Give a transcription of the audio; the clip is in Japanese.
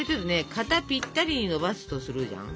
型ぴったりにのばすとするじゃん？